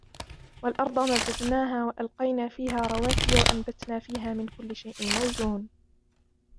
وَالْأَرْضَ مَدَدْنَاهَا وَأَلْقَيْنَا فِيهَا رَوَاسِيَ وَأَنْبَتْنَا فِيهَا مِنْ كُلِّ شَيْءٍ مَوْزُونٍ